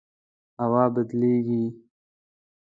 هوا بدلیږي